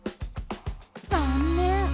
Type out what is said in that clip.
残念。